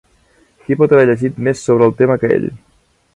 Qui pot haver llegit més sobre el tema que ell?